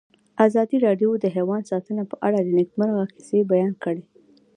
ازادي راډیو د حیوان ساتنه په اړه د نېکمرغۍ کیسې بیان کړې.